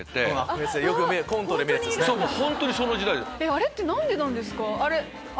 あれって何でなんですか？